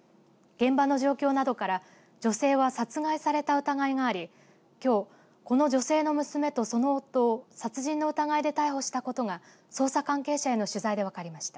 現場の状況などから女性は殺害された疑いがありきょうこの女性の娘とその夫を殺人の疑いで逮捕したことが捜査関係者への取材で分かりました。